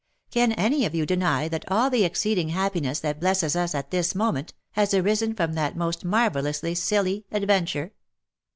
Can any of you deny that all the exceeding happiness that blesses us at this moment, has arisen from that most marvellously silly adventure